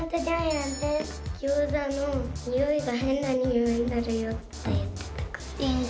ギョーザのにおいが変なにおいになるよって言ってたから。